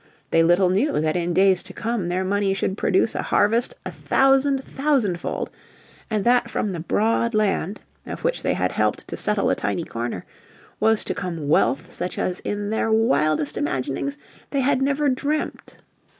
They little knew that in days to come their money should produce a harvest a thousand, thousandfold, and that from the broad land, of which they had helped to settle a tiny corner, was to come wealth such as in their wildest imaginings, they had never dreamt.